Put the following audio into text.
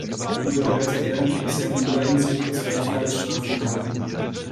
Wie bereits erwähnt, hat Sam Rainsy zwei Freiheitsstrafen erhalten.